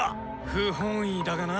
不本意だがな。